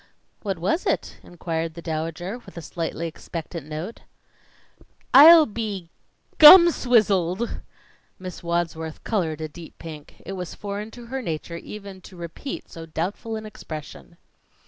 "What was it?" inquired the Dowager, with a slightly expectant note. "I'll be gum swizzled!" Miss Wadsworth colored a deep pink. It was foreign to her nature even to repeat so doubtful an expression.